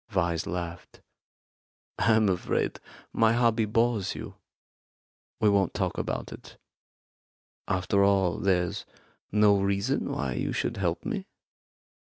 Vyse laughed. "I'm afraid my hobby bores you. We won't talk about it. After all, there's no reason why you should help me?"